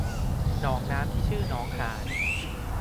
หนองน้ำที่ชื่อหนองหาน